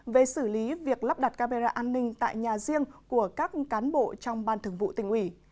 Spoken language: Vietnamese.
về xử lý việc lắp đặt camera an ninh tại nhà riêng của các cán bộ trong ban thường vụ tỉnh ủy